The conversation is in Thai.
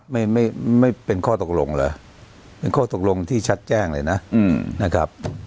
ไม่เป็นข้อตกลงเหรอเป็นข้อตกลงที่ชัดแจ้งเลยนะ